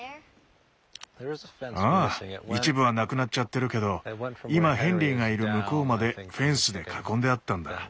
ああ一部はなくなっちゃってるけど今ヘンリーがいる向こうまでフェンスで囲んであったんだ。